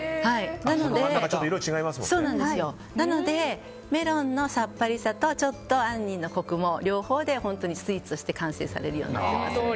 なのでメロンのさっぱりさとちょっと杏仁のコクの両方でスイーツとして完成されるようになっています。